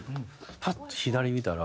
パッと左見たら。